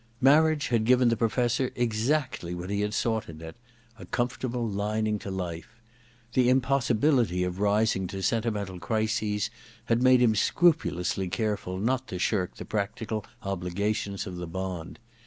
Marriage had given the Professor exactly what he had sought in it : a comfortable lining to life. The impossibility of rising to sentihiental crises had made him scrupulously careful not to shirk the practical obligations of the bond.